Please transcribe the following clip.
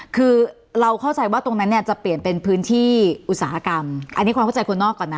คือเราเข้าใจว่าตรงนั้นเนี่ยจะเปลี่ยนเป็นพื้นที่อุตสาหกรรมอันนี้ความเข้าใจคนนอกก่อนนะ